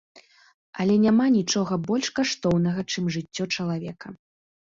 Але няма нічога больш каштоўнага, чым жыццё чалавека.